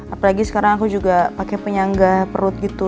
apalagi sekarang aku juga pakai penyangga perut gitu